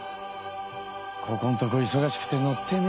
ここんとこいそがしくて乗ってねえな。